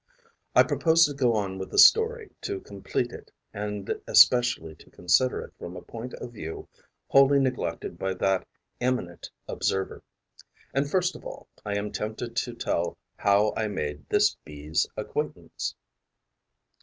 I propose to go on with the story, to complete it and especially to consider it from a point of view wholly neglected by that eminent observer. And, first of all, I am tempted to tell how I made this Bee's acquaintance.